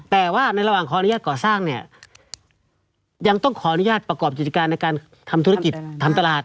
แต่ว่าในระหว่างขออนุญาตก่อสร้างเนี่ยยังต้องขออนุญาตประกอบกิจการในการทำธุรกิจทำตลาด